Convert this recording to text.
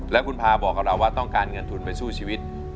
แล้วคุณพาบอกกับเราว่าต้องการเงินทุนไปสู้ชีวิต